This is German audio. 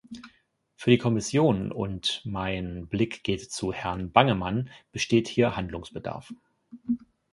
Für die Kommission und mein Blick geht zu Herrn Bangemann besteht hier Handlungsbedarf.